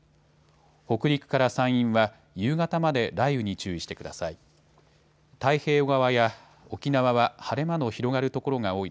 北陸から山陰は夕方まで雷雨に注意してください。